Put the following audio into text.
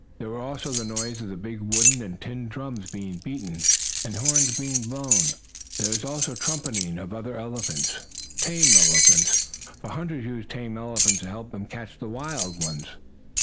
There was also the noise of big wooden and tin drums being beaten, and horns being blown. There was also the trumpeting of other elephants tame elephants. For hunters use tame elephants to help them catch the wild ones.